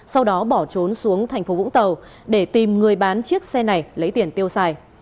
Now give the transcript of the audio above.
sau đó bỏ trốn xuống thành phố vũng tàu để tìm người bán chiếc xe này lấy tiền tiêu xài